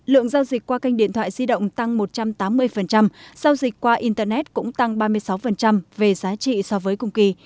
lượng giao dịch qua kênh điện thoại di động tăng một trăm tám mươi giao dịch qua internet cũng tăng ba mươi sáu về giá trị so với cùng kỳ